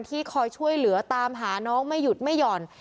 คอยช่วยเหลือตามหาน้องไม่หยุดไม่หย่อน